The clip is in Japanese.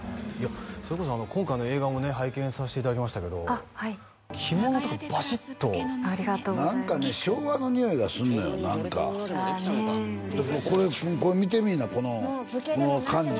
それこそ今回の映画もね拝見させていただきましたけど着物とかバシッとありがとうございます何かね昭和のにおいがすんのよああねえ嬉しいこれ見てみいなこのこの感じ